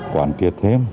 quản kiệt thêm